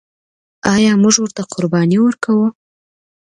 آیا موږ ورته قرباني ورکوو؟